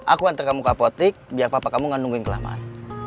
aku antri kamu ke apotek biar papa kamu gak nungguin kelamaan